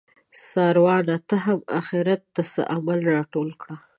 څاروانه ته هم اخیرت ته څه عمل راټول کړه